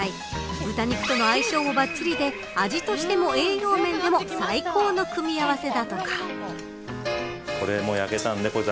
豚肉との相性もばっちりで味としても栄養面でも最高の組み合わせだとか。